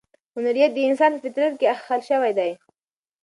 هنریت د انسان په فطرت کې اخښل شوی دی.